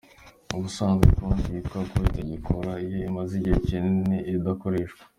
Ubusanzwe konti yitwa ko itagikora iyo imaze igihe kinini idakoreshwa.